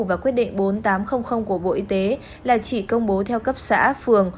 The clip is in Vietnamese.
và quyết định bốn nghìn tám trăm linh của bộ y tế là chỉ công bố theo cấp xã phường